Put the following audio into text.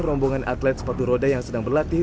rombongan atlet sepatu roda yang sedang berlatih